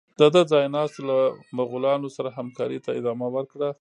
د ده ځای ناستو له مغولانو سره همکارۍ ته ادامه ورکړه.